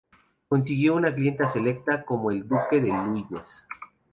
Consiguió una clientela selecta, como el duque de Luynes.